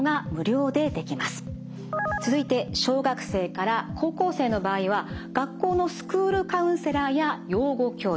続いて小学生から高校生の場合は学校のスクールカウンセラーや養護教諭。